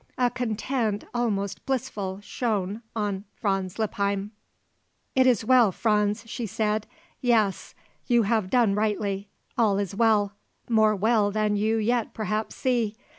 A content almost blissful shone on Franz Lippheim. "It is well, Franz," she said. "Yes, you have done rightly. All is well; more well than you yet perhaps see.